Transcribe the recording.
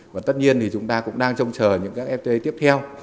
và tất nhiên thì chúng ta cũng đang trông chờ những các fta tiếp theo